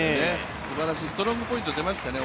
すばらしい、ストロングポイントが出ましたね。